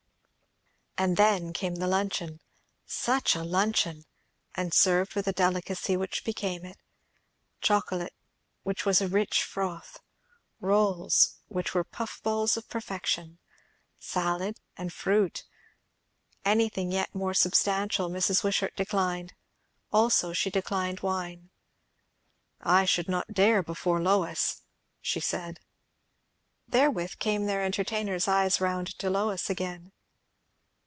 And then came the luncheon. Such a luncheon! and served with a delicacy which became it. Chocolate which was a rich froth; rolls which were puff balls of perfection; salad, and fruit. Anything yet more substantial Mrs. Wishart declined. Also she declined wine. "I should not dare, before Lois," she said. Therewith came their entertainer's eyes round to Lois again.